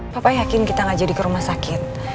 papa yakin kita gak jadi ke rumah sakit